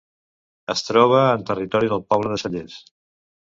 Es troba en territori del poble de Cellers.